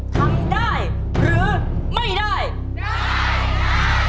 ทำได้หรือไม่ได้ได้